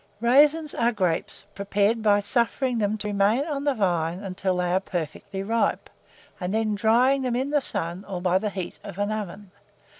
Raisins are grapes, prepared by suffering them to remain on the vine until they are perfectly ripe, and then drying them in the sun or by the heat of an oven.